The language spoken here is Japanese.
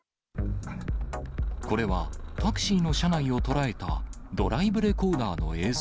これはタクシーの車内を捉えたドライブレコーダーの映像。